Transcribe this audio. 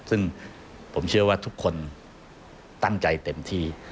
ซึ่งผมเชื่อว่าทุกคนตั้งใจเต็มที่